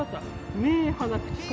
目鼻口か。